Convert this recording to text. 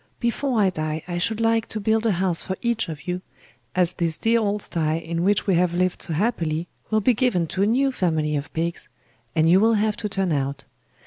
Before I die I should like to build a house for each of you, as this dear old sty in which we have lived so happily will be given to a new family of pigs, and you will have to turn out.